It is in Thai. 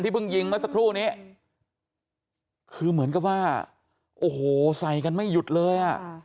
เพิ่งยิงเมื่อสักครู่นี้คือเหมือนกับว่าโอ้โหใส่กันไม่หยุดเลยอ่ะ